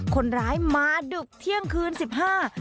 คนร้ายมาดึกเที่ยงคืนสิบห้า